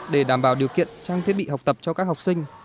để đảm bảo điều kiện trang thiết bị học tập cho các học sinh